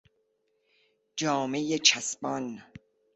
جامهی چسبان